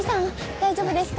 大丈夫ですか？